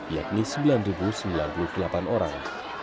yakni sembilan sembilan puluh delapan orang